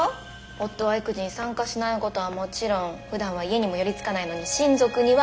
夫は育児に参加しないことはもちろんふだんは家にも寄りつかないのに親族にはいい顔してた。